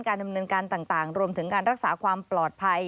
ดำเนินการต่างรวมถึงการรักษาความปลอดภัย